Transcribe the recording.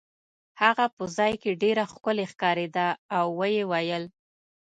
هغه په ځای کې ډېره ښکلې ښکارېده او ویې ویل.